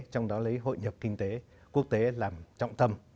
trong đó lấy hội nhập kinh tế quốc tế làm trọng tâm